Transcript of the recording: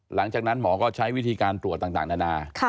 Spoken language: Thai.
หลังจากนั้นหมอก็ใช้วิธีการตรวจต่างนานา